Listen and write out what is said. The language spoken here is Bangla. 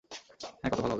হ্যাঁ, কত ভালো হবে।